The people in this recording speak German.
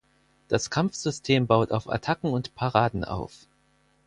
Das Kampfsystem baut auf Attacken und Paraden auf.